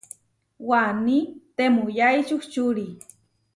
Waní temuyái čuhčuri.